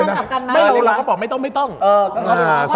แล้วเพื่อนเลี้ยงให้เข้ามามีกำลังกลับกันไหม